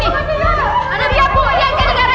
nikernanya bisa mikir gitu lho